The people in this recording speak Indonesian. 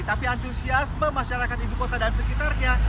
tapi antusiasme masyarakat ibu kota dan sekitarnya